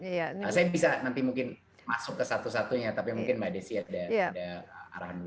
saya bisa nanti mungkin masuk ke satu satunya tapi mungkin mbak desi ada arahan dulu